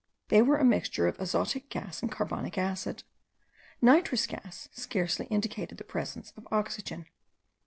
They were a mixture of azotic gas and carbonic acid. Nitrous gas scarcely indicated the presence of oxygen.